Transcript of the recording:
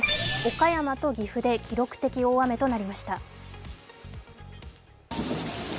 岡山と岐阜で記録的な大雨となりました。